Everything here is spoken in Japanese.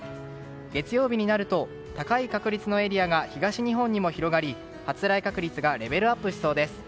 月曜日になると高い確率のエリアが東日本にも広がり発雷確率がレベルアップしそうです。